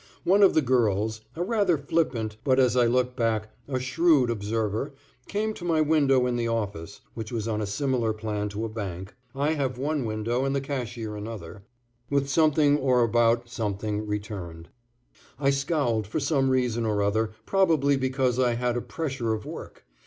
One of the girls, a rather flippant, but as I look back, a shrewd observer, came to my window in the office (which was on a similar plan to a bank, I having one window and the cashier another) with something or about something returned. I scowled for some reason or other, probably because I had a pressure of work.